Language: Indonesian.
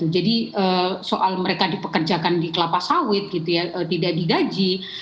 jadi soal mereka dipekerjakan di kelapa sawit tidak digaji